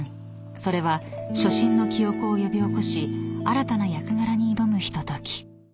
［それは初心の記憶を呼び起こし新たな役柄に挑むひととき］